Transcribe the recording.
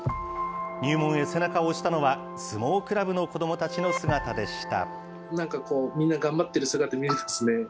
入門へ背中を押したのは、相撲クラブの子どもたちの姿でした。